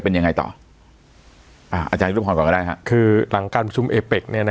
เป็นยังไงต่ออาจารย์ครับคือหลังการประชุมเอเป็กเนี่ยนะ